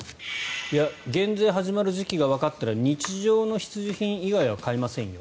減税が始まる時期がわかったら日常の必需品以外は買いませんよ